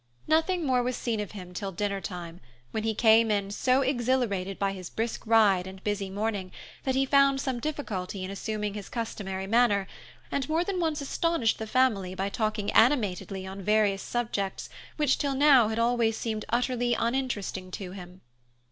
Nothing more was seen of him till dinnertime, when he came in so exhilarated by his brisk ride and busy morning that he found some difficulty in assuming his customary manner, and more than once astonished the family by talking animatedly on various subjects which till now had always seemed utterly uninteresting to him.